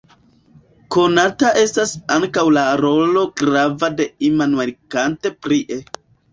Konata estas ankaŭ la rolo grava de Immanuel Kant prie.